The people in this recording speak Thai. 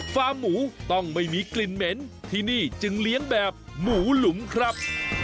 ฟาร์มหมูต้องไม่มีกลิ่นเหม็นที่นี่จึงเลี้ยงแบบหมูหลุมครับ